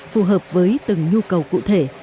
phù hợp với từng nhu cầu cụ thể